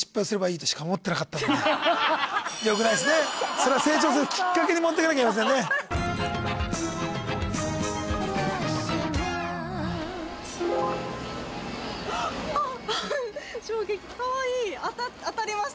それを成長するきっかけにもってかなきゃいけませんねあっ！